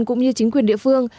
cũng như chính quyền địa phương